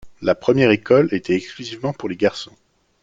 La première École était exclusivement pour les garçons.